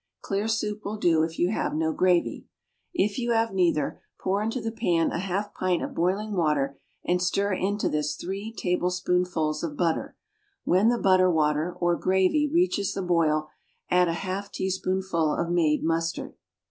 Clear soup will do if you have no gravy. If you have neither, pour into the pan a half pint of boiling water and stir into this three tablespoonfuls of butter. When the butter water (or gravy) reaches the boil, add a half teaspoonful of made mustard.